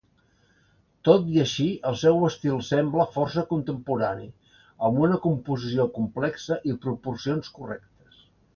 Tot i així, el seu estil sembla força contemporani, amb una composició complexa i proporcions correctes.